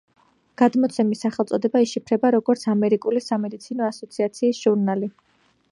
გამოცემის სახელწოდება იშიფრება, როგორც ამერიკული სამედიცინო ასოციაციის ჟურნალი.